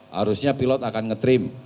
harusnya pilot akan nge trem